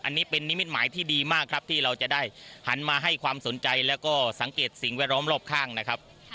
อันนี้เป็นนิมิตหมายที่ดีมากครับที่เราจะได้หันมาให้ความสนใจแล้วก็สังเกตสิ่งแวดล้อมรอบข้างนะครับ